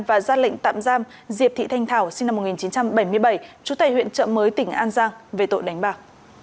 và giác lệnh tạm giam diệp thị thanh thảo sinh năm một nghìn chín trăm bảy mươi bảy chú tài huyện trậm mới tỉnh an giang về tội đánh bạc